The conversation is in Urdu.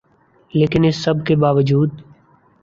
لیکن اس سب کے باوجود